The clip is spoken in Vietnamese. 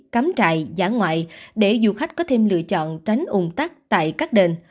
cắm trại giả ngoại để du khách có thêm lựa chọn tránh ủng tắc tại các đền